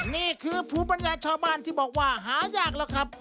นี่คือภูมิปัญญาชาวบ้านที่บอกว่าหายากแล้วครับ